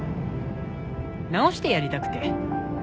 治してやりたくて。